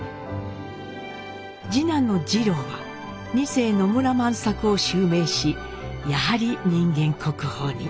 次男の二朗は二世野村万作を襲名しやはり人間国宝に。